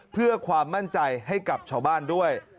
เพื่อความมั่นใจให้กับชาวบ้านด้วย